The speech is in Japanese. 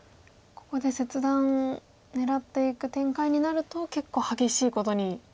ここで切断狙っていく展開になると結構激しいことに。